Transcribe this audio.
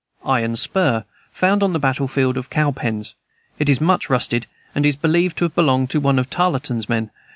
Iron spur, found on the battle field of the Cowpens. It is much rusted, and is believed to have belonged to one of Tarleton's men.